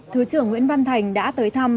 thứ trưởng nguyễn văn thành đã tới thăm